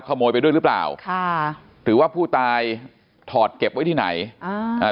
ขโมยไปด้วยหรือเปล่าค่ะหรือว่าผู้ตายถอดเก็บไว้ที่ไหนอ่าอ่า